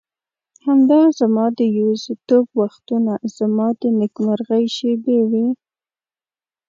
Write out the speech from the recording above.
همدا زما د یوازیتوب وختونه زما د نېکمرغۍ شېبې وې.